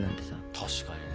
確かにね。